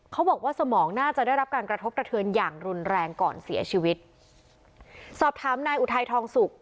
เขาบอกว่าสมองน่าจะได้รับการกระทบกระเทือนอย่างรุนแรงก่อนเสียชีวิตสอบถามนายอุทัยทองสุก